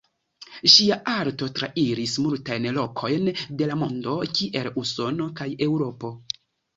Ŝia arto trairis multajn lokojn de la mondo kiel Usono kaj Eŭropo.